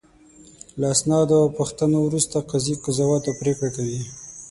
له اسنادو او پوښتنو وروسته قاضي قضاوت او پرېکړه کوي.